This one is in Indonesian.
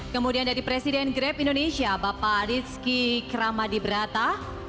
kemudian dari presiden grab indonesia bapak rizky kramadibrata